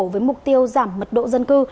với mục tiêu giảm mật độ dân cư